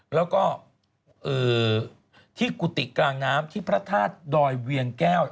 แล้วก็ที่กุฏิกลางน้ำที่พระธาตุดอยเวียงแก้ว